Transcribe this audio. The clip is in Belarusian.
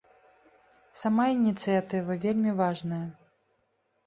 Сама ініцыятыва вельмі важная.